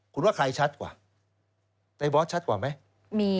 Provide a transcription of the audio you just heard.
คุณว่าใครชัดกว่าในบอสชัดกว่าไหม